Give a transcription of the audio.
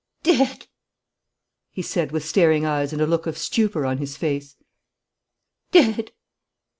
"Dead!" he said, with staring eyes and a look of stupor on his face. "Dead!